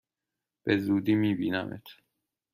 به زودی می بینمت!